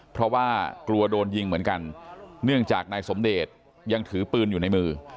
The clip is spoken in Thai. เพราะว่ากลัวโดนยิงเหมือนกันเนื่องจากนายสมเดชยังถือปืนอยู่ในมือ